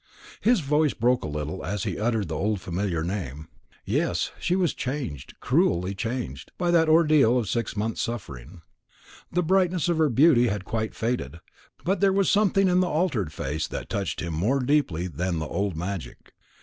His voice broke a little as he uttered the old familiar name. Yes, she was changed, cruelly changed, by that ordeal of six months' suffering. The brightness of her beauty had quite faded; but there was something in the altered face that touched him more deeply than the old magic.